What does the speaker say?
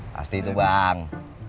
pasti itu bang